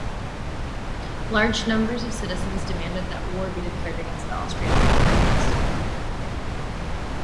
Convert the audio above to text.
Large numbers of citizens demanded that war be declared against the Austria-Hungarians.